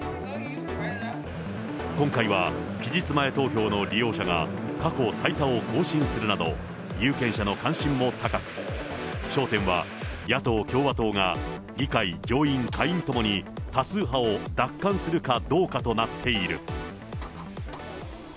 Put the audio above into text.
今回は期日前投票の利用者が過去最多を更新するなど、有権者の関心も高く、焦点は野党・共和党が、議会上院、下院ともに多数派を奪還するかどうかとなっている。